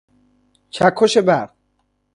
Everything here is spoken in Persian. چکش برق